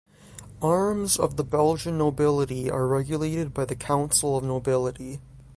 Arms of the Belgian nobility are regulated by the Council of Nobility.